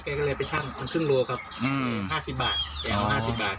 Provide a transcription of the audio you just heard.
แกก็เลยไปชั่งครั้งครึ่งโลครับอืมห้าสิบบาทแกเอาห้าสิบบาท